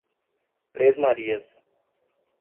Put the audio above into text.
Três Marias